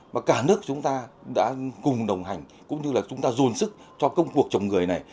và cả nước chúng ta đã cùng đồng hành cũng như là chúng ta dồn sức cho công cuộc chống người này